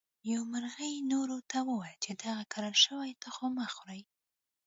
یوه مرغۍ نورو ته وویل چې دغه کرل شوي تخم مه خورئ.